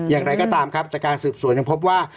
อย่างไรก็ตามครับจากการสืบสวนยังพบว่า